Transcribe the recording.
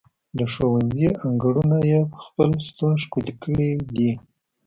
د ښوونځي انګړونه یې په خپل شتون ښکلي کړي دي.